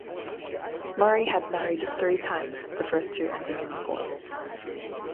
Murray had married three times, the first two ending in divorce.